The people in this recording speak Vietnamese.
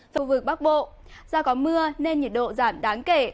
khu vực bắc bộ do có mưa nên nhiệt độ giảm đáng kể